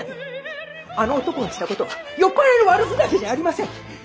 あの男がしたことは酔っ払いの悪ふざけじゃありません。